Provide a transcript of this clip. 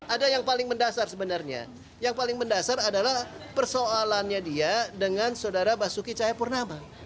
ada yang paling mendasar sebenarnya yang paling mendasar adalah persoalannya dia dengan saudara basuki cahayapurnama